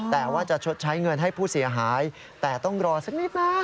แต่ว่าจะชดใช้เงินให้ผู้เสียหายแต่ต้องรอสักนิดนะ